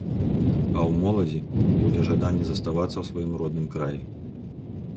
А ў моладзі будзе жаданне заставацца ў сваім родным краі.